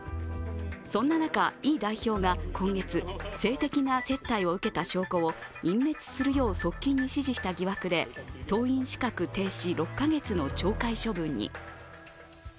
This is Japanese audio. そんな中、イ代表が今月、性的な接待を受けた証拠を隠滅するよう側近に指示した疑惑で党員資格停止６カ月の懲戒処分に。